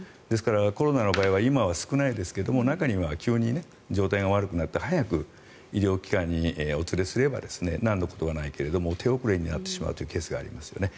コロナの場合は今は少ないですが中には急に状態が悪くなって早く医療機関にお連れすればなんのことはないけれど手遅れになるケースがありますよね。